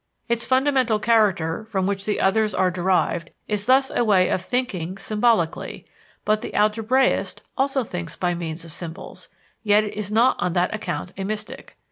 Its fundamental character, from which the others are derived, is thus a way of thinking symbolically; but the algebraist also thinks by means of symbols, yet is not on that account a mystic.